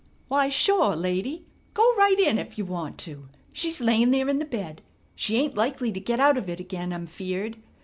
"Why, shore, lady, go right in ef you want to. She's layin' there in the bed. She ain't likely to get out of it again' I'm feared.